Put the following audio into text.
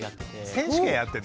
選手権やってるの？